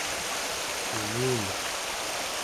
kinguneq¹